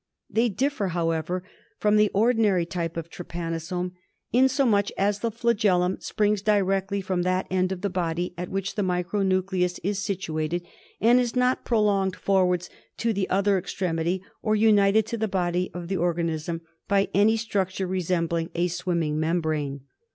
They differ, however, frdm the ordinary type of trypanosome, inasmuch as the flagellum springs directly from that end of the body at which the ^ micro nucleus is situated, and is not prolonged forwards to the other extremity, or united to the body of the orga nism by any structure resembling a swimming membrane.